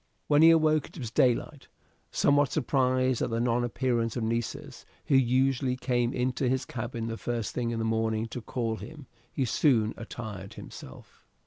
When he awoke it was daylight. Somewhat surprised at the non appearance of Nessus, who usually came into his cabin the first thing in the morning to call him, he soon attired himself.